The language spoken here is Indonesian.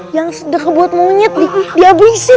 yang sederh buat monyet di di abisin